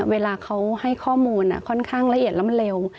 เวลาเขาให้ข้อมูลค่อนข้างละเอียดแล้วมันเร็ว